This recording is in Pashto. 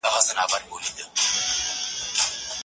ايا ته کالي مينځې؟